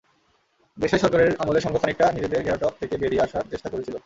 দেশাই সরকারের আমলে সংঘ খানিকটা নিজেদের ঘেরাটোপ থেকে বেরিয়ে আসার চেষ্টা করেছিল।